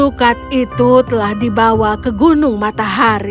luka itu telah dibawa ke gunung matahari